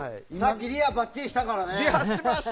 リハは、ばっちりしたからね。